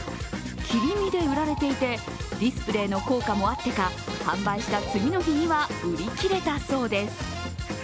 切り身で売られていて、ディスプレイの効果もあってか、販売した次の日には売り切れたそうです。